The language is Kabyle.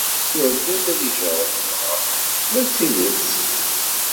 Yebɣa urgaz ad ijereb dγa ma s tidet.